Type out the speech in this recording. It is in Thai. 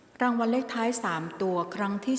ออกรางวัลเลขหน้า๓ตัวครั้งที่๒